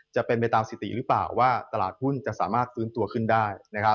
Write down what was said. จะเป็นไปตามสิติหรือเปล่าว่าตลาดหุ้นจะสามารถฟื้นตัวขึ้นได้